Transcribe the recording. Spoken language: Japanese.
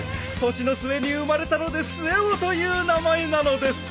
年の末に生まれたので末男という名前なのです。